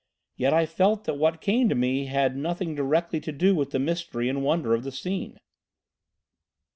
Yet I felt that what came to me had nothing directly to do with the mystery and wonder of the scene."